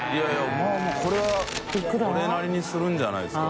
もうこれはそれなりにするんじゃないですか？